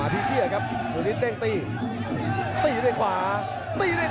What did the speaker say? ตีตีด้วยขวาตีด้วยขวาครับ